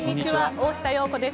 大下容子です。